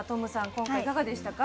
今回いかがでしたか？